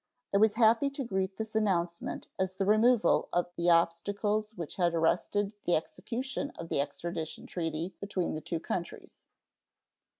I was happy to greet this announcement as the removal of the obstacles which had arrested the execution of the extradition treaty between the two countries.